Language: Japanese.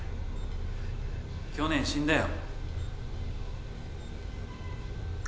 ・去年死んだよ。